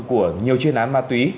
của nhiều chuyên án ma túy